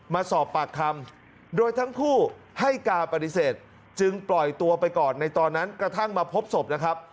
มาสอบปากคำโดยทั้งคู่ให้การปฏิเสธจึงปล่อยตัวไปก่อนในตอนนั้นกระทั่งมาพบศพนะครับ